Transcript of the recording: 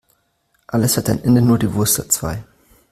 Alles hat ein Ende, nur die Wurst hat zwei.